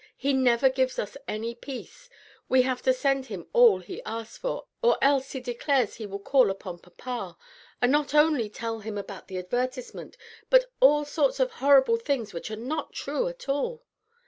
He never gives us any peace. We have to send him all he asks for, or else he declares he will call on papa, and not only tell him about the advertisement, but all sorts of horrible things which are not true at all.